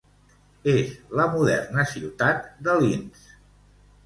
És la moderna ciutat de Linz.